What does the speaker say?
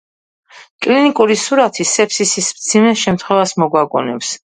კლინიკური სურათი სეფსისის მძიმე შემთხვევას მოგვაგონებს.